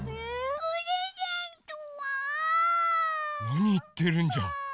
なにいってるんジャ。